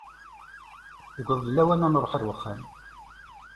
Yewweḍ-d lawan ad nṛuḥ ar wexxam.